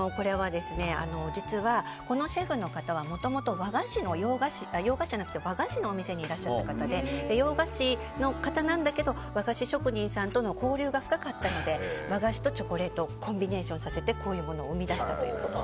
実はこのシェフの方はもともと和菓子のお店にいらっしゃった方で洋菓子の方なんだけど和菓子職人さんとの交流が深かったので和菓子とチョコレートをコンビネーションさせてこういうものを生み出したと。